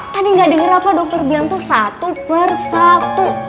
tadi gak denger apa dokter bilang tuh satu persatu